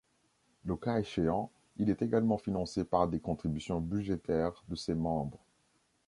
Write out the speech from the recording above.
Le cas échéant, il est également financé par des contributions budgétaires de ses membres.